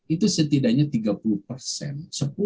itu setidaknya tiga puluh persen